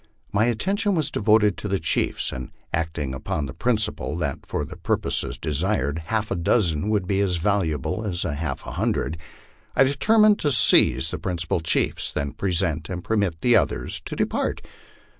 My attention was devoted to the chiefs, and acting upon the principle that for the purposes desired half a dozen would be as valuable as half a hundred, I deter mined to seize the principal chiefs then present, and permit the others to de part.